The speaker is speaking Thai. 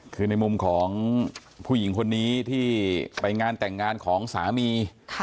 คือในมุมของผู้หญิงคนนี้ที่ไปงานแต่งงานของสามี